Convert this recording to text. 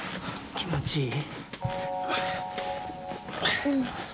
気持ちいい？